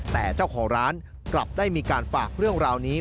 แต่เจ้าของร้านกลับได้มีการฝากเรื่องราวนี้